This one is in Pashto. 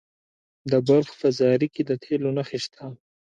د بلخ په زاري کې د تیلو نښې شته.